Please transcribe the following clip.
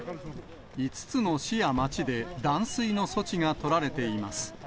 ５つの市や町で断水の措置が取られています。